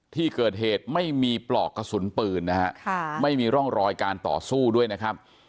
ที่เกิดเหตุไม่มีปลอกกระสุนปืนนะฮะไม่มีร่องรอยการต่อสู้ด้วยนะครับ